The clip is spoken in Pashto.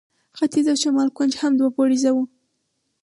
ختیځ او شمال کونج هم دوه پوړیزه وه.